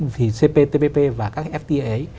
thì cptpp và các cái fta ấy